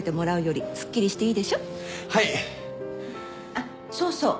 あっそうそう。